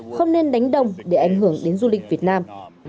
không nên đánh đồng để ảnh hưởng đến du lịch việt nam